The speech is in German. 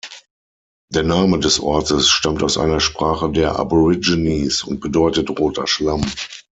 Der Name des Ortes stammt aus einer Sprache der Aborigines und bedeutet "roter Schlamm".